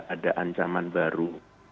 ada ancaman baru